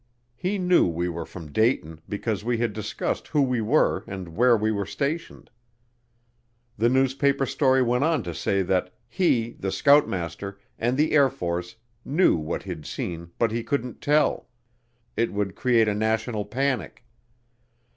He knew we were from Dayton because we had discussed who we were and where we were stationed. The newspaper story went on to say that "he, the scoutmaster, and the Air Force knew what he'd seen but he couldn't tell it would create a national panic."